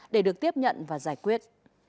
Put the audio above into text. để được tiếp nhận và giải quyết